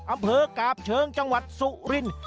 อำเภอกาบเชิงจังหวัดสุริน